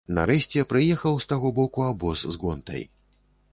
Нарэшце прыехаў з таго боку абоз з гонтай.